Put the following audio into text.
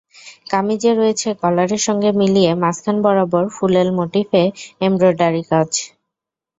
কামিজে রয়েছে কলারের সঙ্গে মিলিয়ে মাঝখান বরাবর ফুলেল মোটিফে এমব্রয়ডারির কাজ।